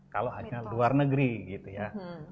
kalau hanya luar negeri gitu ya